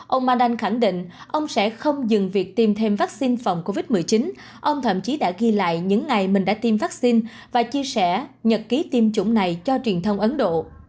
ông mandan khẳng định ông sẽ không dừng việc tiêm thêm vaccine phòng covid một mươi chín ông thậm chí đã ghi lại những ngày mình đã tiêm vaccine và chia sẻ nhật ký tiêm chủng này cho truyền thông ấn độ